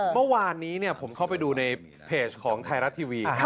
เมื่อวานนี้ผมเข้าไปดูในเพจของไทยรัฐทีวี